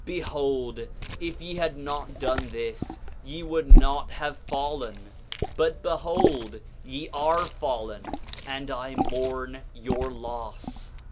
6:18 Behold, if ye had not done this, ye would not have fallen. But behold, ye are fallen, and I mourn your loss.